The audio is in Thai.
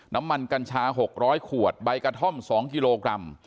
กัญชา๖๐๐ขวดใบกระท่อม๒กิโลกรัม